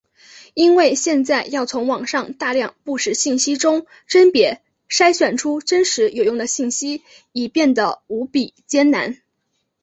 因为现在要从网上大量不实信息中甄别筛选出真实有用的信息已变的无比艰难。